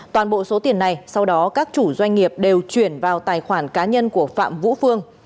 toàn bộ số tiền này sau đó các chủ doanh nghiệp đều chuyển vào tài khoản cá nhân của phạm vũ phương